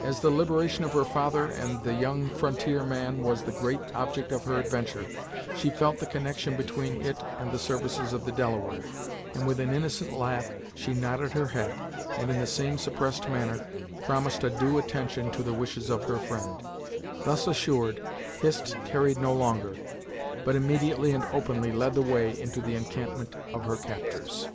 As the liberation of her father and the young frontier man was the great object of her adventure, she felt the connection between it and the services of the Delaware, and with an innocent laugh, she nodded her head, and in the same suppressed manner, promised a due attention to the wishes of her friend. Thus assured, Hist tarried no longer, but immediately and openly led the way into the encampment of her captors.